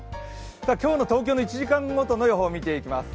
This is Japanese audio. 今日の東京の１時間ごとの予報見ていきます。